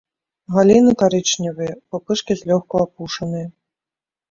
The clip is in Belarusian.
Галіны карычневыя, пупышкі злёгку апушаныя.